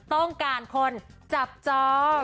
ต้องการคนจับจอ